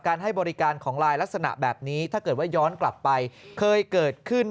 ให้บริการของไลน์ลักษณะแบบนี้ถ้าเกิดว่าย้อนกลับไปเคยเกิดขึ้น